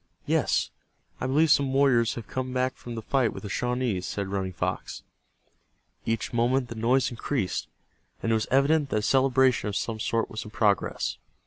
"Yes, I believe some warriors have come back from the fight with the Shawnees," said Running Fox. Each moment the noise increased, and it was evident that a celebration of some sort was in progress.